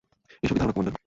এসবই ধারণা, কমান্ডার।